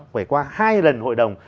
phải qua hai lần hội đồng